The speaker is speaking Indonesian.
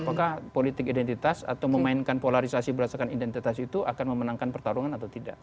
apakah politik identitas atau memainkan polarisasi berdasarkan identitas itu akan memenangkan pertarungan atau tidak